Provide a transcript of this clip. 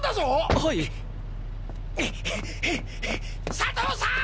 佐藤さん！！